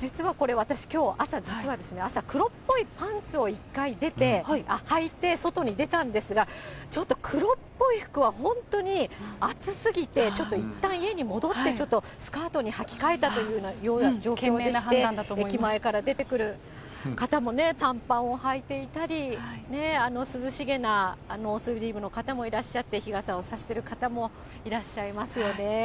実はこれ、私きょう朝、実は朝、黒っぽいパンツを、一回出て、はいて、外に出たんですが、ちょっと黒っぽい服は本当に暑すぎて、ちょっといったん家に戻って、ちょっとスカートにはき替えたというような状況でして、駅前から出てくる方も、短パンをはいていたり、涼しげなノースリーブの方もいらっしゃって日傘を差してる方もいらっしゃいますよね。